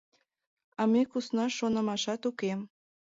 А ме куснаш шонымашат уке.